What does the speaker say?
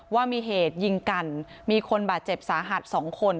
ว่ามีเหตุยิงกันมีคนบาดเจ็บสาหัส๒คน